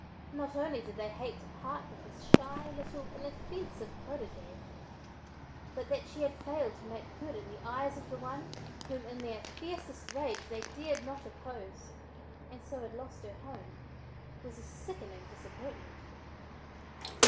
Not only did they hate to part with this shy, little, inoffensive protégée, but that she had failed to "make good" in the eyes of the one whom, in their fiercest rage they dared not oppose, and so had lost her home, was a sickening disappointment.